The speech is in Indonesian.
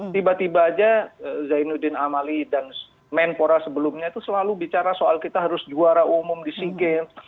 tiba tiba aja zainuddin amali dan menpora sebelumnya itu selalu bicara soal kita harus juara umum di sea games